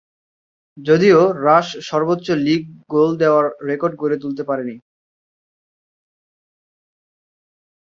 যদিও রাশ সর্বোচ্চ league goal দেয়ার রেকর্ড গড়তে পারেননি।